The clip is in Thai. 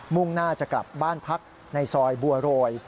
่งหน้าจะกลับบ้านพักในซอยบัวโรย